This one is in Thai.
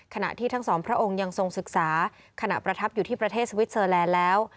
ขณะที่ทั้งสองพระองค์ยังทรงศึกษาขณะประทับอยู่ที่ประเทศสวิสเซอร์แลนด์แล้ว